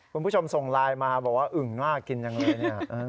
คุณผู้ชมส่งไลน์มาบอกว่าอึ่งมากกินจังเลยเนี่ย